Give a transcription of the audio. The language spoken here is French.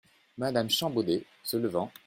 Madame Champbaudet , se levant.